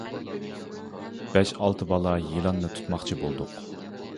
بەش ئالتە بالا يىلاننى تۇتماقچى بولدۇق.